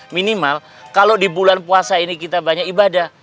minimal kalau di bulan puasa ini kita banyak ibadah